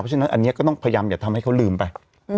เพราะฉะนั้นอันนี้ก็ต้องพยายามอย่าทำให้เขาลืมไป